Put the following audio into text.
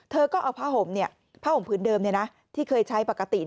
เธอก็เอาผ้าห่มพื้นเดิมที่เคยใช้ปกติ